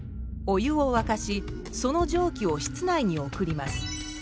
お湯をわかしその蒸気を室内に送ります。